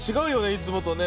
いつもとね。